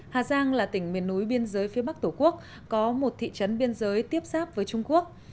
hà giang là tỉnh miền núi biên giới phía bắc tổ quốc có một thị trấn biên giới tiếp xác với trung quốc